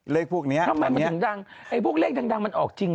เลขพวกเนี้ยทำไมมันถึงดังไอ้พวกเลขดังมันออกจริง